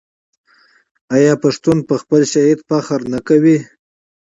آیا پښتون په خپل شهید نه ویاړي؟